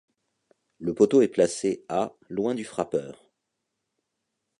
Le poteau est placé à loin du frappeur.